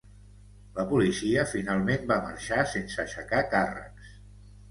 La policia finalment va marxar sense aixecar càrrecs.